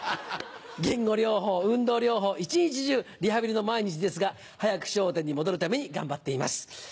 言語療法運動療法１日中リハビリの毎日ですが早く『笑点』にもどる為にがんばってます。